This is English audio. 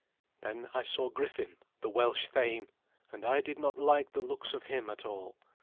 Then I saw Griffin, the Welsh thane, and I did not like the looks of him at all.